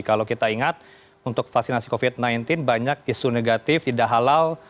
kalau kita ingat untuk vaksinasi covid sembilan belas banyak isu negatif tidak halal